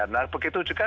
nah begitu juga